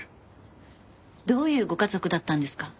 どういうご家族だったんですか？